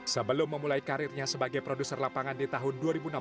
sebelum memulai karirnya sebagai produser lapangan di tahun dua ribu enam belas